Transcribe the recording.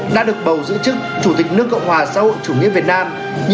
đã được bầu giữ chức chủ tịch nước cộng hòa xã hội chủ nghĩa việt nam